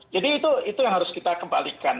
jadi itu yang harus kita kembalikan